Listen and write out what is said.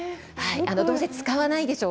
どうせ使わないでしょう？